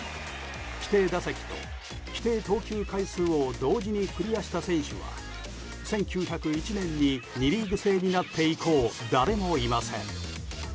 規定打席と規定投球回数を同時にクリアした選手は１９０１年に２リーグ制になって以降誰もいません。